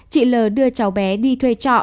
chị l đưa cháu bé đi thuê trọ